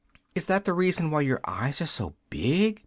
"Is that the reason your eyes are so big?"